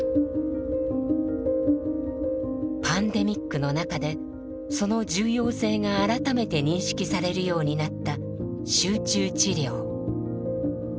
パンデミックの中でその重要性が改めて認識されるようになった集中治療。